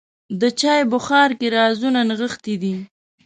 د چای بخار کې رازونه نغښتي دي.